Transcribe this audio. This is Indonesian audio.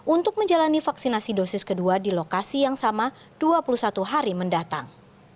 untuk menjalani vaksinasi dosis kedua di lokasi yang sama dua puluh satu hari mendatang